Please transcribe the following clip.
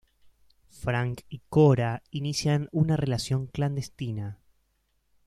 Frank y Cora inician una relación clandestina.